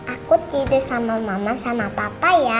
aku tidur sama mama sama papa ya